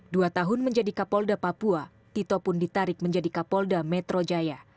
dua tahun menjadi kapolda papua tito pun ditarik menjadi kapolda metro jaya